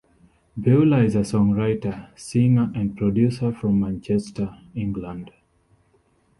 Beulah is a songwriter, singer and producer from Manchester, England.